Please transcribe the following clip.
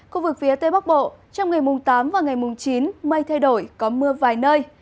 khu vực phía tây bắc bộ trong ngày mùng tám và ngày mùng chín mây thay đổi có mưa vài nơi